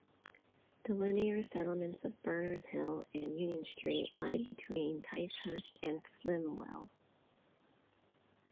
The linear settlements of Berner's Hill and Union Street lie between Ticehurst and Flimwell.